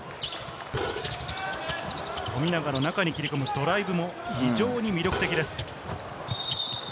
富永の中に切り込むドライブも非常に魅力的です。